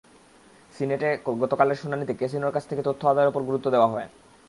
সিনেটে গতকালের শুনানিতে ক্যাসিনোর কাছ থেকে তথ্য আদায়ের ওপর গুরুত্ব দেওয়া হয়।